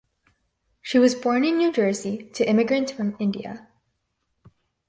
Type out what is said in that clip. She was born in New Jersey to immigrants from India.